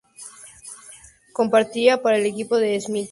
Competiría para el equipo Schmidt en lugar de Alex Tagliani.